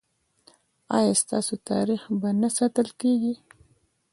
ایا ستاسو تاریخ به نه ساتل کیږي؟